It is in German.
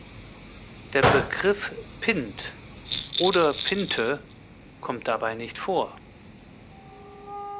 Der Begriff „Pint“ oder „Pinte“ kommt dabei nicht vor.